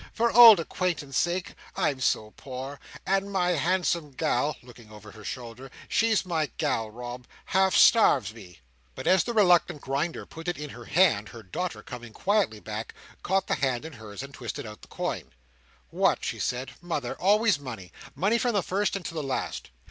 For old acquaintance sake. I'm so poor. And my handsome gal"—looking over her shoulder—"she's my gal, Rob—half starves me." But as the reluctant Grinder put it in her hand, her daughter, coming quietly back, caught the hand in hers, and twisted out the coin. "What," she said, "mother! always money! money from the first, and to the last.